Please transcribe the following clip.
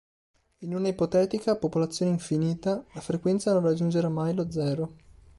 In una ipotetica popolazione infinita, la frequenza non raggiungerà mai lo zero.